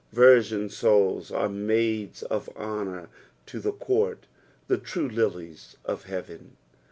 Virgin souls are maids of honour to the court, the true lilies of heaven.